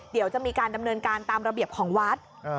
เดี๋ยวจะมีการดำเนินการตามระเบียบของวัด